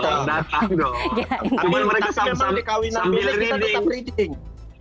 tapi memang di kawinan kita tetap reading